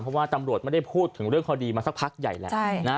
เพราะว่าตำรวจไม่ได้พูดถึงเรื่องคดีมาสักพักใหญ่แหละ